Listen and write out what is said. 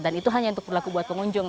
dan itu hanya untuk berlaku buat pengunjung